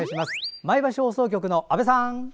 前橋放送局の阿部さん！